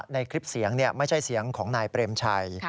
ในคลิปเสียงไม่ใช่เสียงของนายเปรมชัย